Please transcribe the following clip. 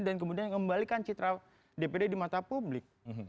dan kemudian kembalikan citra dpd di mata publik